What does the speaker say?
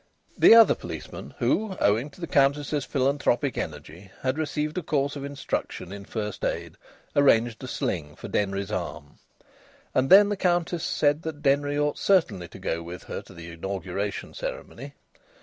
The other policeman, who, owing to the Countess's philanthropic energy, had received a course of instruction in first aid, arranged a sling for Denry's arm. And then the Countess said that Denry ought certainly to go with her to the inauguration ceremony.